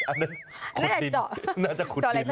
อันนั้นขุดดินน่าจะขุดดิน